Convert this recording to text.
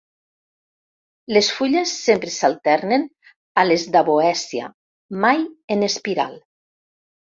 Les fulles sempre s'alternen a les "Daboecia", mai en espiral.